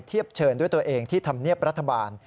เชิญด้วยตัวเองที่ทำเนียบรัฐบาล